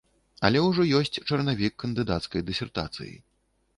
Але ўжо ёсць чарнавік кандыдацкай дысертацыі.